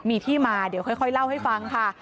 มีที่มาเดี๋ยวค่อยเล่าให้ฟังค่ะ